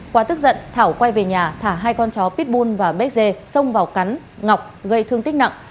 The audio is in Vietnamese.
qua tức giận thảo quay về nhà thả hai con chó pitbull và béc dê xông vào cắn ngọc gây thương tích nặng